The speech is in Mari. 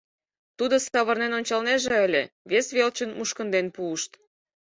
Тудо савырнен ончалнеже ыле, вес велчын мушкынден пуышт.